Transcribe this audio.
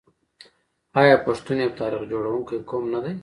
آیا پښتون یو تاریخ جوړونکی قوم نه دی؟